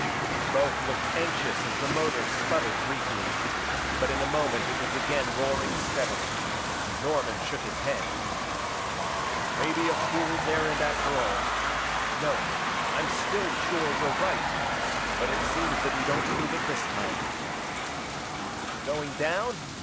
Both looked anxious as the motor sputtered briefly. But in a moment it was again roaring steadily. Norman shook his head. "Maybe a fool's errand after all. No I'm still sure we're right! But it seems that we don't prove it this time." "Going down?"